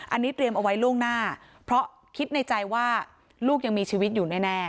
อันนี้เตรียมเอาไว้ล่วงหน้าเพราะคิดในใจว่าลูกยังมีชีวิตอยู่แน่